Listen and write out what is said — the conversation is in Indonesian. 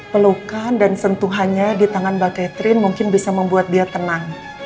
pelukan dan sentuhannya di tangan mbak catherine mungkin bisa membuat dia tenang